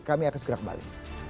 kami akan segera kembali